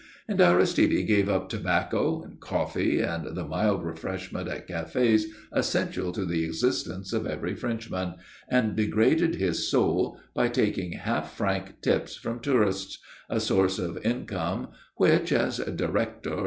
And Aristide gave up tobacco and coffee and the mild refreshment at cafés essential to the existence of every Frenchman, and degraded his soul by taking half franc tips from tourists a source of income which, as Director, M.